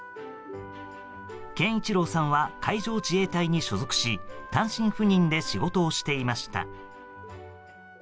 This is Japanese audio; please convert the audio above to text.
健一郎さんは海上自衛隊に所属し単身赴任で仕事をしていました。